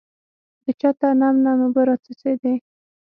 د چته نم نم اوبه راڅڅېدې .